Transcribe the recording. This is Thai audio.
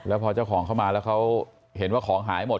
แล้วพอเจ้าของเข้ามาแล้วเขาเห็นว่าของหายหมด